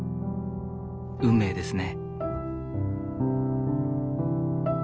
運命ですね。